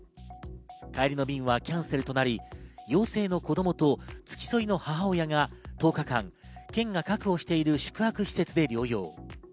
帰りの便はキャンセルとなり、陽性の子供と付き添いの母親が１０日間、県が確保している宿泊施設で療養。